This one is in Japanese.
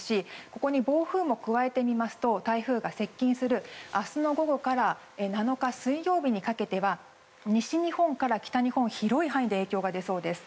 ここに暴風も加えてみますと台風が接近する明日の午後から７日水曜日にかけては西日本から北日本広い範囲で影響が出そうです。